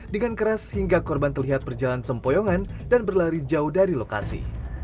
dengan keras hingga korban terlihat berjalan sempoyongan dan berlari jauh dari lokasi